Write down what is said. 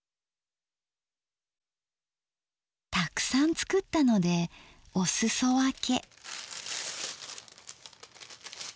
たくさん作ったのでおすそ分け。